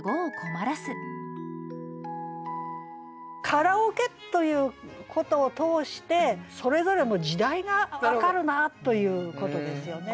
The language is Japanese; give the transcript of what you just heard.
カラオケということを通してそれぞれの時代が分かるなということですよね。